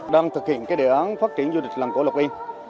đang thực hiện cái đề án phát triển du lịch làng cổ lộc yên